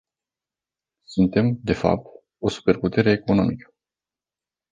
Suntem, de fapt, o superputere economică.